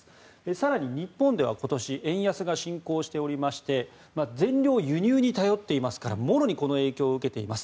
更に、日本では今年、円安が進行しておりまして全量輸入に頼っていますからもろにこの影響を受けています。